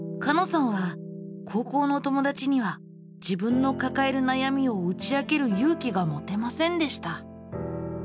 さんは高校の友だちには自分のかかえる悩みを打ち明ける勇気が持てませんでした。